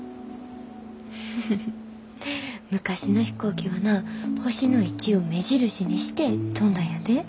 フフフ昔の飛行機はな星の位置を目印にして飛んだんやで。